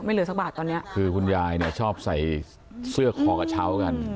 เหลือสักบาทตอนเนี้ยคือคุณยายเนี่ยชอบใส่เสื้อคอกระเช้ากัน